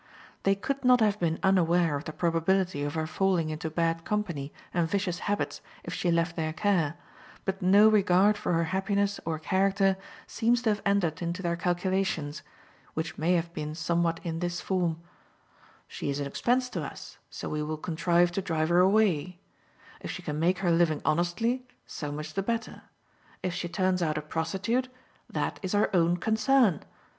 They could not have been unaware of the probability of her falling into bad company and vicious habits if she left their care, but no regard for her happiness or character seems to have entered into their calculations, which may have been somewhat in this form: She is an expense to us, so we will contrive to drive her away; if she can make her living honestly, so much the better; if she turns out a prostitute, that is her own concern.